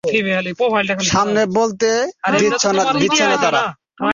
সামনে বলতে দিচ্ছে না তারা।